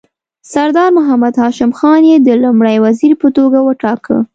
سردار محمد هاشم خان یې د لومړي وزیر په توګه وټاکه.